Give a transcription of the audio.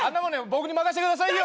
僕に任してくださいよ！